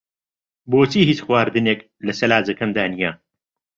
بۆچی هیچ خواردنێک لە سەلاجەکەمدا نییە؟